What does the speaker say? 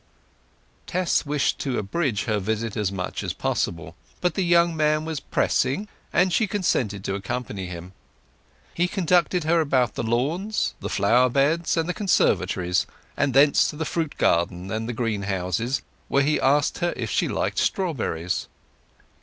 Tess wished to abridge her visit as much as possible; but the young man was pressing, and she consented to accompany him. He conducted her about the lawns, and flower beds, and conservatories; and thence to the fruit garden and greenhouses, where he asked her if she liked strawberries.